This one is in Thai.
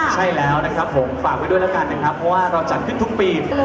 ใช่แล้วนะครับผมฝากไว้ด้วยแล้วกันนะครับเพราะว่าเราจัดขึ้นทุกปี